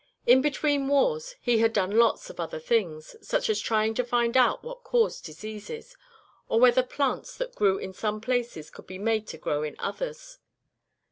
In between wars he had done lots of other things, such as trying to find out what caused diseases, or whether plants that grew in some places could be made to grow in others.